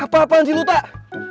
apa apaan sih lu tak